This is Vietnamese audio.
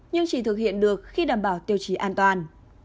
nhưng chỉ thực hiện được khi đảm bảo tiêu chí an toàn